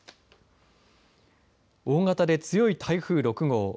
大型で強い台風６号。